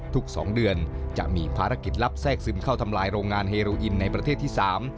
ทุกสองเดือนจะมีภารกิจลับแทรกซึมเข้าทำลายโรงงานเฮรูอินในประเทศที่สาม